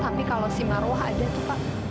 tapi kalo si marwah ada tuh pak